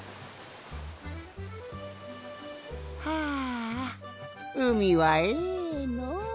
はあうみはええのう。